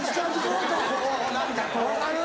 分かる。